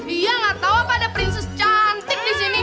iya nggak tahu apa ada princess cantik di sini